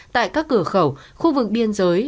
tại các cửa khẩu khu vực biên giới